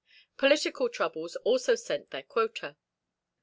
Political troubles also sent their quota.